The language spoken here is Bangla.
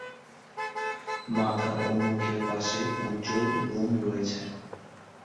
মাথা ও মুখের পাশে উজ্জ্বল লোম রয়েছে।